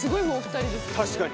確かに！